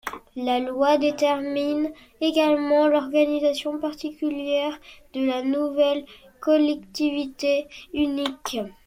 La loi détermine également l'organisation particulière de la nouvelle collectivité unique.